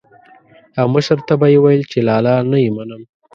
او مشر ته به یې ويل چې لالا نه يې منم.